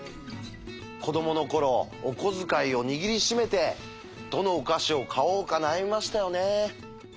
子どもの頃お小遣いを握り締めてどのお菓子を買おうか悩みましたよね。